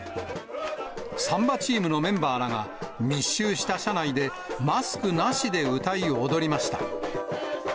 サンバチームのメンバーらが、密集した車内でマスクなしで歌い、踊りました。